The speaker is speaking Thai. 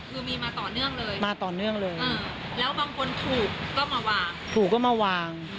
คือมีมาต่อเนื่องเลยมาต่อเนื่องเลยแล้วบางคนถูกก็มาวางถูกก็มาวาง